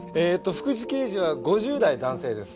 福知刑事は５０代男性です。